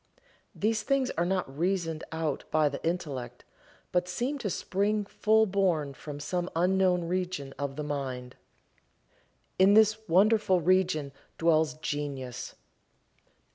These things are not reasoned out by the intellect, but seem to spring full born from some unknown region of the mind. In this wonderful region dwells Genius.